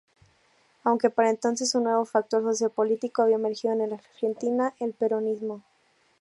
Aunque para entonces un nuevo factor socio-político había emergido en la Argentina: el peronismo.